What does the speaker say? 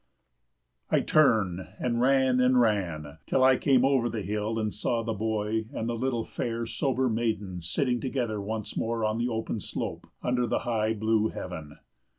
I turned and ran and ran till I came over the hill and saw the boy and the little fair, sober maiden sitting together once more on the open slope, under the high blue heaven.